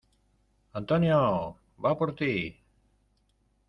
¡ Antonio, va por ti!